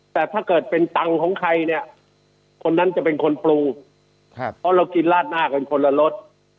แต่ถ้าเกิดเป็นตังค์ของใครเนี่ยคนนั้นจะเป็นคนปรุงเพราะเรากินลาดหน้ากันคนละรส